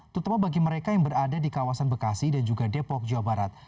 terutama bagi mereka yang berada di kawasan bekasi dan juga depok jawa barat